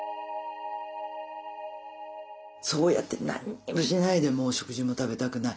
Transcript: そうやって何にもしないでもう食事も食べたくない。